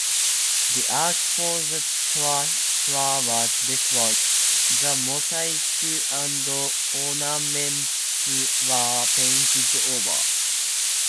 The ark for the torah was destroyed; the mosaics and ornaments were painted over.